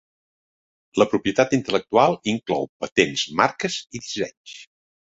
La propietat intel·lectual inclou patents, marques i dissenys